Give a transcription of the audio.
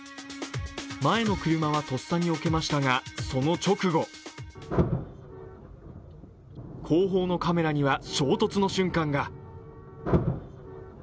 前の車はとっさによけましたがその直後後方のカメラには衝突の瞬間が。